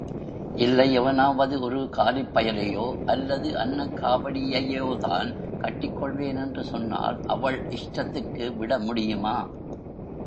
இல்லை எவனாவது ஒரு காலிப்பயலையோ அல்லது அன்னக்காவடியையோதான் கட்டிக் கொள்வேன் என்று சொன்னால் அவள் இஷ்டத்திற்கு விட முடியுமா?